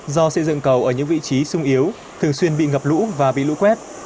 do xây dựng cầu ở những vị trí sung yếu thường xuyên bị ngập lũ và bị lũ quét